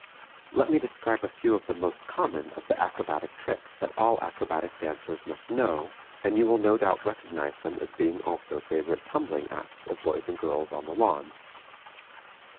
Let me describe a few of the most common of the acrobatic tricks that all acrobatic dancers must know, and you will no doubt recognize them as being also favorite tumbling acts of boys and girls on the lawn.